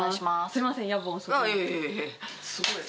すごい。